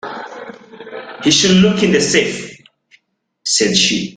"He should look in the safe," said she.